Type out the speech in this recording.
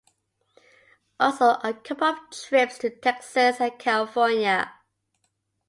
Also a couple of trips to Texas and California.